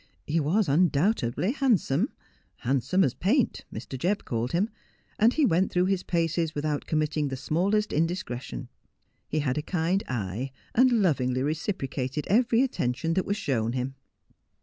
He was undoubtedly handsome —' handsome as paint,' Mr. Jebb called him ; and he went through his paces without com mitting the smallest indiscretion. He had a kind eye, and lovingly reciprocated every attention that was shown him.